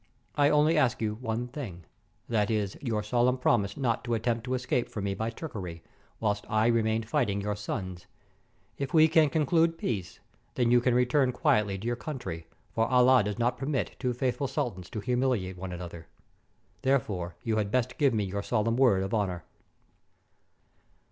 I only ask you one thing: that is, your solemn promise not to attempt to escape from me by trickery, whilst I remain fighting your sons. If we can conclude peace, then you can return quietly to your country, for Allah does not permit two faithful sultans to humiliate one another! Therefore, you had best give me your solemn word of honor."